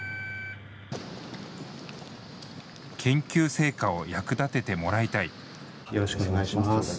研究成果を役立ててもらいたい。